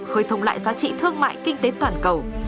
khơi thông lại giá trị thương mại kinh tế toàn cầu